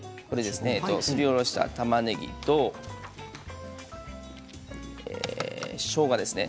すりおろしたたまねぎとしょうがですね。